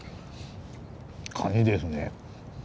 カニですね。